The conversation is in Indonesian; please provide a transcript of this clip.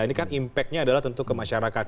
ini kan impact nya adalah tentu ke masyarakat